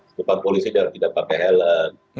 sekitar polisi tidak pakai helen